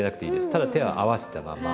ただ手は合わせたまま。